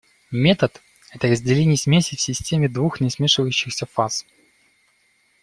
Метод – это разделение смеси в системе двух несмешивающихся фаз.